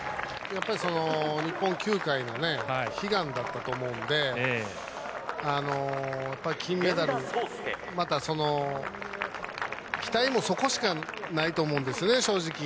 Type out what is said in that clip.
日本球界の悲願だったと思うので、金メダル、またその期待も、そこしかないと思うんですよね、正直。